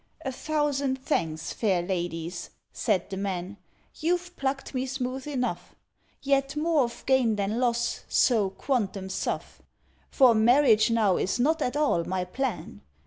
"A thousand thanks, fair ladies," said the man; "You've plucked me smooth enough; Yet more of gain than loss, so quantum suff., For marriage now is not at all my plan.